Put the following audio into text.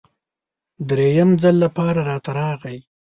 دریم ځل لپاره راته راغی.